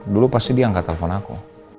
dulu pasti dia nggak telpon aku